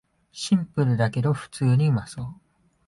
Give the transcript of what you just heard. シンプルだけど普通にうまそう